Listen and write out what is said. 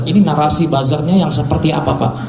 ini narasi buzzernya yang seperti apa pak